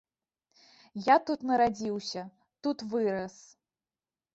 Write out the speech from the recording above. Я тут нарадзіўся, тут вырас.